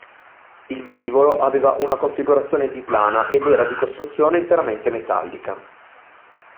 Il velivolo aveva una configurazione biplana ed era di costruzione interamente metallica.